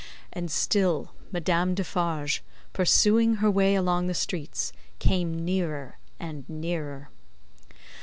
And still Madame Defarge, pursuing her way along the streets, came nearer and nearer.